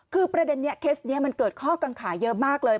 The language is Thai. คือประเด็นนี้เคสนี้มันเกิดข้อกังขาเยอะมากเลย